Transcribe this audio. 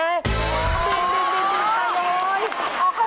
อ๋อปลีกไปเลยอ๋อ